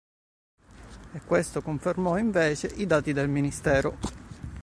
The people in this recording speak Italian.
E questo confermò invece i dati del Ministero.